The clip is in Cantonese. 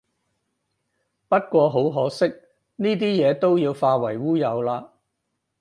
不過好可惜，呢啲嘢都要化為烏有喇